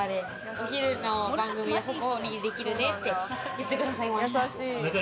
お昼の番組は、ほっこりできるねって言ってくださいました。